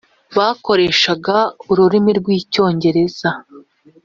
bakoreshaga ururimi rw’ icyongereza